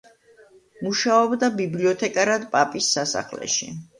მუშაობდა ბიბლიოთეკარად პაპის სასახლეში.